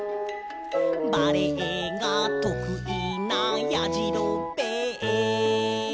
「バレエがとくいなやじろべえ」